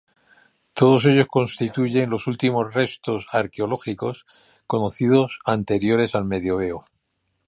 Todos ellos constituyen los últimos restos arqueológicos, conocidos anteriores al Medievo.